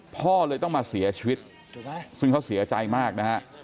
พ่อเลยต้องมาเสียชีวิตซึ่งเขาเสียใจมากนะฮะ